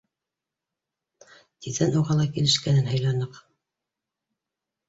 Тиҙҙән уға ла килешкәнен һайланыҡ.